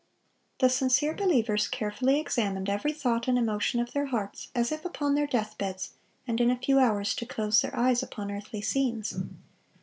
The sincere believers carefully examined every thought and emotion of their hearts as if upon their death beds and in a few hours to close their eyes upon earthly scenes.